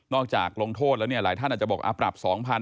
นอกจากลงโทษแล้วบอกอาปรับ๒๐๐๐